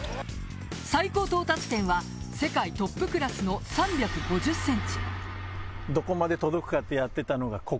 最高到達点は世界トップクラスの３５０ｃｍ。